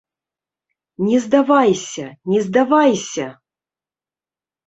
Не здавайся, не здавайся!